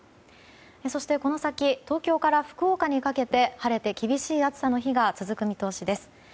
そして、この先東京から福岡にかけては晴れて厳しい暑さの日が続く見通しです。